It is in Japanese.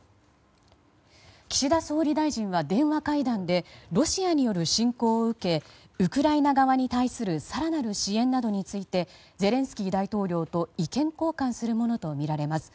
岸田総理大臣が電話会談でロシアによる侵攻を受けウクライナ側に対する更なる支援などについてゼレンスキー大統領と意見交換するものとみられます。